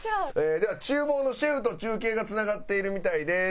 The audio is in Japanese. では厨房のシェフと中継がつながっているみたいです。